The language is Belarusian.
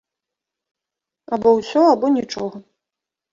Або ўсё, або нічога.